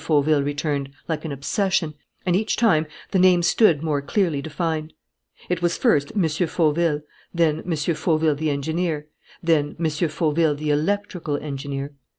Fauville returned, like an obsession; and each time the name stood more clearly defined. It was first M. Fauville; then M. Fauville, the engineer; then M. Fauville, the electrical engineer.